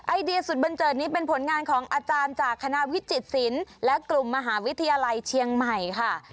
ไอเดียสุดบันเจิดนี้เป็นผลงานของอาจารย์จากคณะวิจิตศิลป์และกลุ่มมหาวิทยาลัยเชียงใหม่ค่ะ